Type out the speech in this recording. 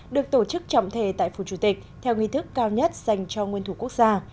được tổ chức trọng thể tại phủ chủ tịch theo nguyên thức cao nhất dành cho nguyên thủ quốc gia